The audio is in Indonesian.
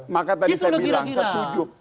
maka tadi saya bilang setuju